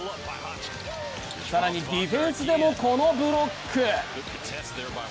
更に、ディフェンスでも、このブロック。